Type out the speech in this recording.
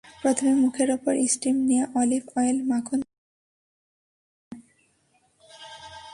প্রথমে মুখের ওপর স্টিম নিয়ে অলিভ অয়েল মাখুন মিনিট সাতেকের মতো।